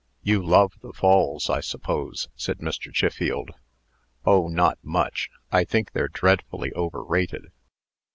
"You love the Falls, I suppose?" said Mr. Chiffield. "Oh! not much. I think they're dreadfully overrated."